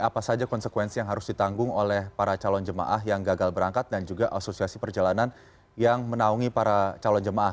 apa saja konsekuensi yang harus ditanggung oleh para calon jemaah yang gagal berangkat dan juga asosiasi perjalanan yang menaungi para calon jemaah